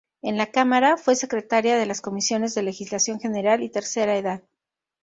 En la cámara, fue secretaria de las comisiones de legislación general y tercera edad.